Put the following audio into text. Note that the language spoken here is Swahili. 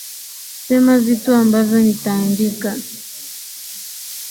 Sema vitu ambavyo nitaandika